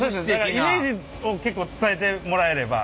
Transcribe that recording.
イメージを結構伝えてもらえれば。